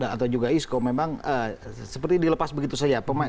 atau juga isco memang seperti dilepas begitu saja